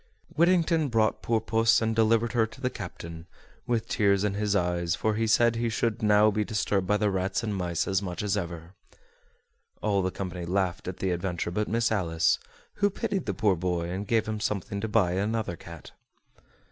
Whittington brought poor puss and delivered her to the captain, with tears in his eyes, for he said he should now be disturbed by the rats and mice as much as ever. All the company laughed at the adventure but Miss Alice, who pitied the poor boy, and gave him something to buy another cat.